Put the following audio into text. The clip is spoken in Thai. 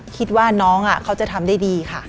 คิดว่าน้องเขาจะทำได้ดีค่ะ